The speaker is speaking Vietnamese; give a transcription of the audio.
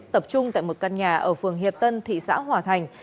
tập trung tại một căn nhà ở phường hiệp tân thị xã hòa thành